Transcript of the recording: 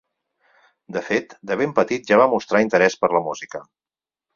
De fet, de ben petit ja va mostrar interès per la música.